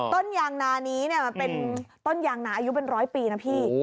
ต้นยางนานี้มันเป็นต้นยางนาอายุเป็นร้อยปีนะพี่